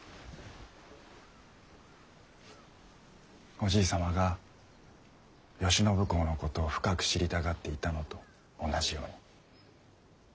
おじい様が慶喜公のことを深く知りたがっていたのと同じように。